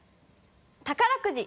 宝くじ。